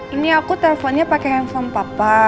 ini aku teleponnya pakai handphone papa